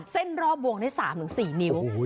เส้นรอบวงได้๓๔นิ้ว